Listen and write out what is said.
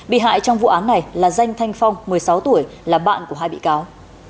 bị hại trong vụ án này là danh thanh phong một mươi sáu tuổi là bạn của hai bị cáo